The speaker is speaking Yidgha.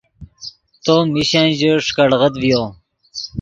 تو میشن ژے ݰیکڑغیت ڤیو